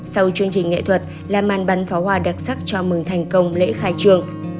sau chương trình nghệ thuật là màn bắn pháo hoa đặc sắc chào mừng thành công lễ khai trường